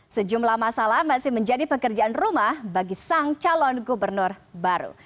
sejumlah masalah masih menjadi pekerjaan rumah bagi sang calon gubernur baru